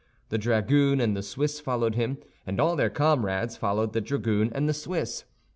The dragoon and the Swiss followed him, and all their comrades followed the dragoon and the Swiss.